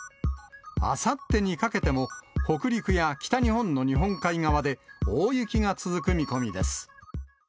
あさってにかけても北陸や北日本の日本海側で、大雪が続く見込みです。